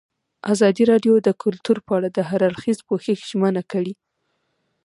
ازادي راډیو د کلتور په اړه د هر اړخیز پوښښ ژمنه کړې.